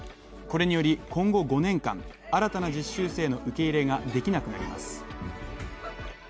これにより今後５年間、新たな実習生の受け入れができなくなります。